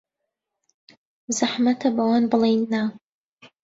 زەحمەتە بەوان بڵێین نا.